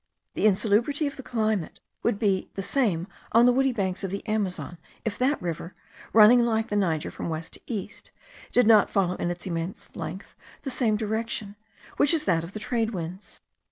The insalubrity of the climate would be the same on the woody banks of the Amazon, if that river, running like the Niger from west to east, did not follow in its immense length the same direction, which is that of the trade winds.